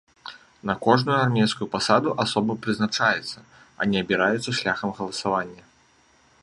На кожную армейскую пасаду асоба прызначаецца, а не абіраецца шляхам галасавання.